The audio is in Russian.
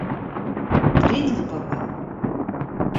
Принял папа?